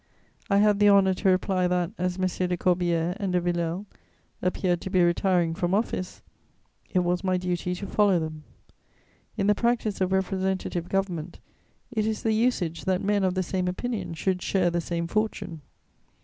I had the honour to reply that, as Messieurs de Corbière and de Villèle appeared to be retiring from office, it was my duty to follow them. In the practice of representative government, it is the usage that men of the same opinion should share the same fortune.